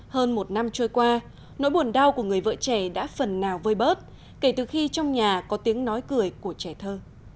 hơn một năm trôi qua nỗi buồn đau của người vợ trẻ đã phần nào vơi bớt kể từ khi trong nhà có tiếng nói cười của trẻ thơ